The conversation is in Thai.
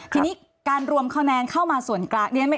ทีนี้การรวมคะแนนเข้ามาส่วนกลาง